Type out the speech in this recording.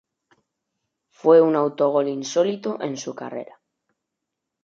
Fue un autogol insólito en su carrera.